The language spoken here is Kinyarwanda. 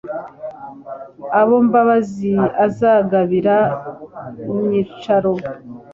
Abo Mbabazi azagabira Myicaro